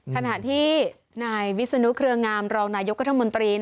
ขณะที่นายวิศนุเครืองามรองนายกรัฐมนตรี